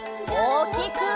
おおきく！